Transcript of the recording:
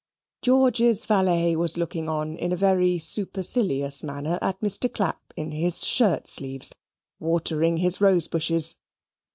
George's valet was looking on in a very supercilious manner at Mr. Clapp in his shirt sleeves, watering his rose bushes.